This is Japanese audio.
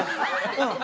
うん。